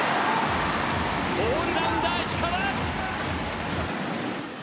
オールラウンダー、石川。